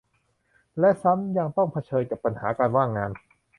และซ้ำยังต้องเผขิญกับปัญหาการว่างงาน